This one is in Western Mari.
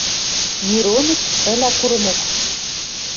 Мироныч ӹлӓ курымок.